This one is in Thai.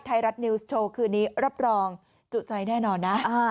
ไทยรัฐนิวส์โชว์คืนนี้รับรองจุใจแน่นอนนะ